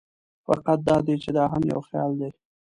خو حقیقت دا دی چې دا هم یو خیال دی.